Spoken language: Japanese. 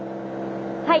はい。